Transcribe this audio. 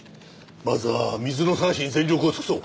まずは水野捜しに全力を尽くそう。